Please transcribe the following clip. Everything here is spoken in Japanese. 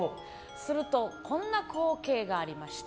すると、こんな光景がありました。